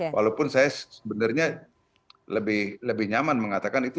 walaupun saya sebenarnya lebih nyaman mengatakan itu